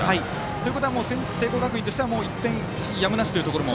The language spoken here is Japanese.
ということは聖光学院としては１点やむなしというところも。